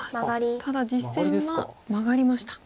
ただ実戦はマガりました。